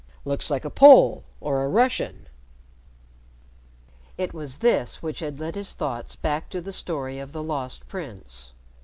"Looks like a Pole or a Russian." It was this which had led his thoughts back to the story of the Lost Prince.